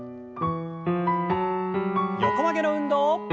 横曲げの運動。